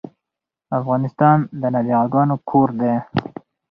افغانستان د نابغه ګانو کور ده